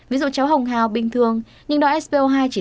ví dụ cháu hồng hào bình thường nhưng đo spo hai chỉ tám mươi chín mươi